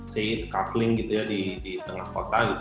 say coupling gitu ya di tengah kota gitu